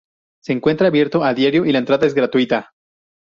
Se encuentra abierto a diario y la entrada es gratuita.